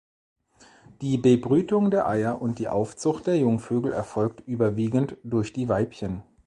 Die Bebrütung der Eier und die Aufzucht der Jungvögel erfolgt überwiegend durch die Weibchen.